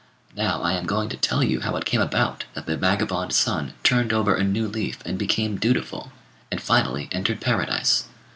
Now, I am going to tell you how it came about that the vagabond son turned over a new leaf and became dutiful, and finally entered paradise.